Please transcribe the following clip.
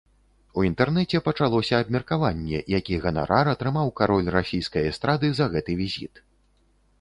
У інтэрнэце пачалося абмеркаванне, які ганарар атрымаў кароль расійскай эстрады за гэты візіт.